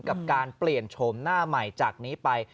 กับการเปลี่ยนโฉมหน้าใหม่จากนี้ไป